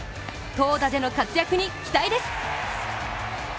投打での活躍に期待です。